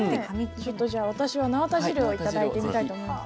ちょっとじゃあ私はなわた汁を頂いてみたいと思います。